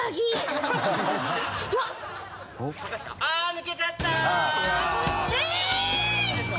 抜けちゃった！